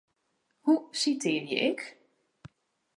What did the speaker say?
Hoe sitearje ik?